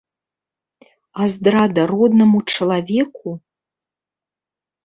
А здрада роднаму чалавеку?